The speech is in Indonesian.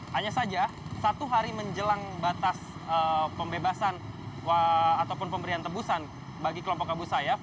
hanya saja satu hari menjelang batas pembebasan ataupun pemberian tebusan bagi kelompok abu sayyaf